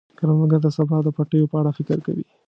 کروندګر د سبا د پټیو په اړه فکر کوي